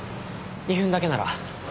２分だけなら。